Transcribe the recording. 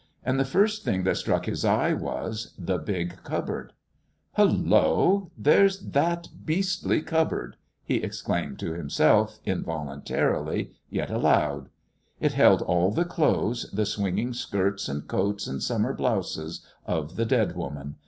And the first thing that struck his eye was the big cupboard. "Hallo! There's that beastly cupboard!" he exclaimed to himself, involuntarily, yet aloud. It held all the clothes, the swinging skirts and coats and summer blouses of the dead woman.